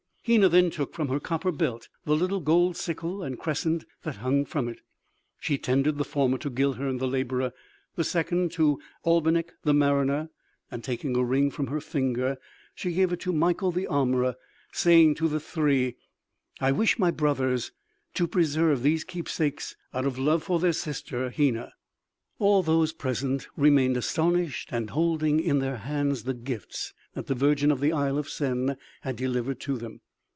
Hena then took from her copper belt the little gold sickle and crescent that hung from it. She tendered the former to Guilhern the laborer, the second to Albinik the mariner, and taking a ring from her finger she gave it to Mikael the armorer, saying to the three: "I wish my brothers to preserve these keepsakes out of love for their sister Hena." All those present remained astonished and holding in their hands the gifts that the virgin of the Isle of Sen had delivered to them.